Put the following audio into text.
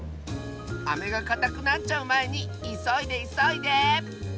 アメがかたくなっちゃうまえにいそいでいそいで！